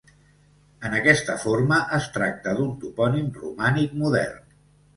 En aquesta forma, es tracta d'un topònim romànic modern.